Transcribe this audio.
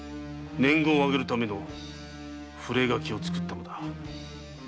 年貢を上げるための触れ書きを作ったのだ。